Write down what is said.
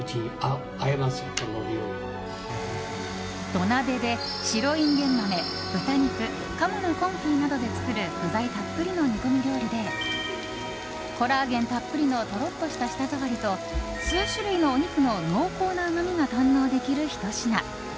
土鍋で白インゲン豆、豚肉鴨のコンフィなどで作る具材たっぷりの煮込み料理でコラーゲンたっぷりのとろっとした舌触りと数種類のお肉の濃厚なうまみが堪能できるひと品。